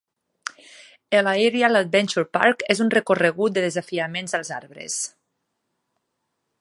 El Aerial Adventure Park és un recorregut de desafiaments als arbres.